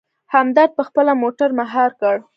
همدرد په خپله موټر مهار کړ.